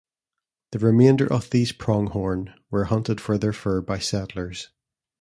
The remainder of these pronghorn were hunted for their fur by settlers.